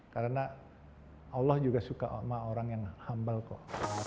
karena allah juga suka sama orang yang humble kok